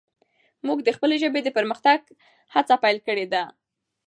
موږ د خپلې ژبې د پرمختګ هڅه پیل کړي ده.